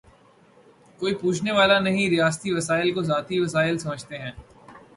کوئی پوچھنے والا نہیں، ریاستی وسائل کوذاتی وسائل سمجھتے ہیں۔